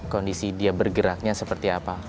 kondisi dia bergeraknya seperti apa